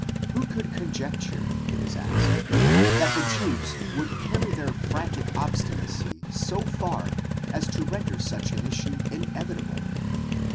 Who could conjecture, it is asked, that the Jews would carry their frantic obstinacy so far as to render such an issue inevitable?